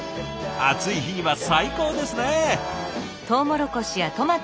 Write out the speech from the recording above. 暑い日には最高ですね！